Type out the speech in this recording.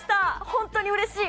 本当にうれしい。